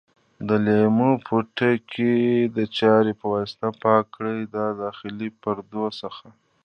د لیمو پوټکي د چاړې په واسطه پاک کړئ د داخلي پردو څخه.